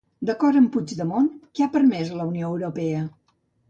D'acord amb Puigdemont, què ha permès la Unió Europea?